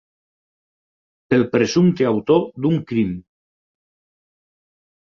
El presumpte autor d'un crim.